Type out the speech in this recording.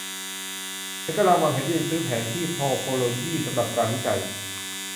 ฉันกำลังวางแผนที่จะซื้อแผนที่ทอพอโลยีสำหรับการวิจัย